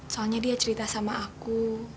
soalnya dia cerita sama aku